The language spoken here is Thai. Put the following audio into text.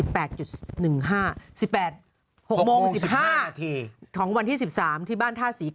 ๖โมง๑๕นาทีของวันที่๑๓ที่บ้านท่าศรีไค